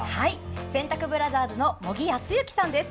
洗濯ブラザーズの茂木康之さんです。